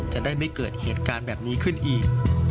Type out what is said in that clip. จะได้ไม่เกิดเหตุการณ์แบบนี้ขึ้นอีก